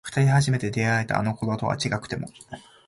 二人初めて出会えたあの頃とは違くても